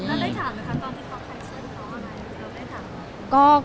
แล้วได้ถามไหมครับตอนที่ตอบค่ายเชื่อของเขาอะไร